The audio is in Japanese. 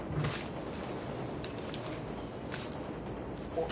あっ。